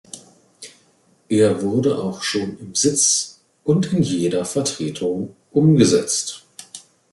Er wurde auch schon im Sitz und in jeder Vertretung umgesetzt.